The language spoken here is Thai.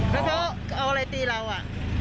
เขาเอาอะไรตีเราอะ